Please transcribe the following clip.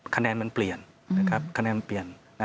คะแนนมันเปลี่ยนคะแนนมันเปลี่ยน